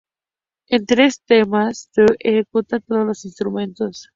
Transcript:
En tres temas Steve ejecuta todos los instrumentos.